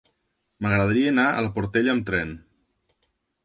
M'agradaria anar a la Portella amb tren.